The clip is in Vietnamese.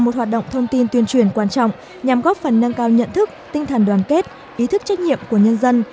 một hoạt động thông tin tuyên truyền quan trọng nhằm góp phần nâng cao nhận thức tinh thần đoàn kết ý thức trách nhiệm của nhân dân